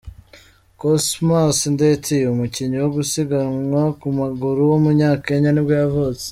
Cosmas Ndeti, umukinnyi wo gusiganwa ku maguru w’umunyakenya nibwo yavutse.